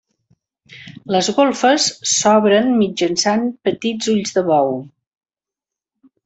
Les golfes s'obren mitjançant petits ulls de bou.